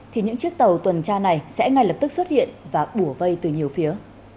thì những chiếc tàu tuần tra này sẽ ngay lập tức xuất hiện và bùa vây từ nhiều phía